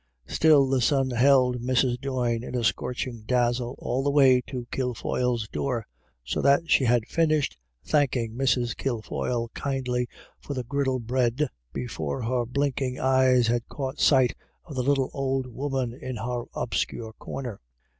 Still, the sun held Mrs. Doyne in a scorching dazzle all the way to the Kilfoyles' door, so that she had finished thanking Mrs. Kilfoyle kindly for the griddle bread, before her blinking eyes had caught sight of the little old woman in her obscure corner.